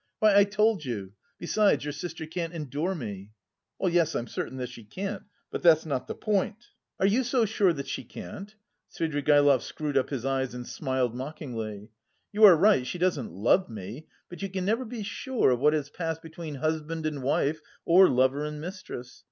"Why, I told you... besides your sister can't endure me." "Yes, I am certain that she can't, but that's not the point." "Are you so sure that she can't?" Svidrigaïlov screwed up his eyes and smiled mockingly. "You are right, she doesn't love me, but you can never be sure of what has passed between husband and wife or lover and mistress.